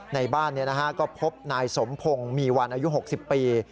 ในบ้านก็พบนายสมพงศ์มีวันอายุ๖๐ปี